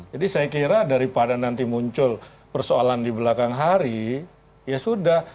jadi saya kira daripada nanti muncul persoalan di belakang hari ya sudah